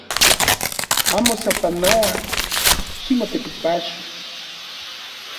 Amo sapanoa ximotekipacho